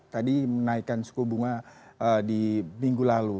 tadi menaikkan suku bunga di minggu lalu